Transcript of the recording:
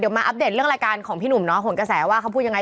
มาอัปเดตเรื่องรายการของพี่หนุ่มเนาะหนกระแสว่าเขาพูดยังไง